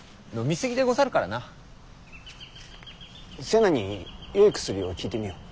瀬名によい薬を聞いてみよう。